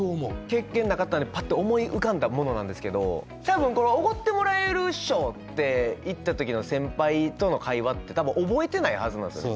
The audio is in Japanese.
経験なかったんでパッと思い浮かんだものなんですけど多分これおごってもらえるっしょって行った時の先輩との会話って多分覚えてないはずなんですよ。